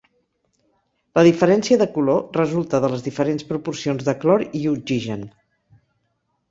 La diferència de color resulta de les diferents proporcions de clor i oxigen.